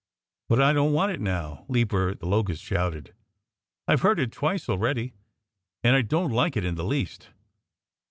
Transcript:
"But I don't want it now!" Leaper the Locust shouted. "I've heard it twice already; and I don't like it in the least!"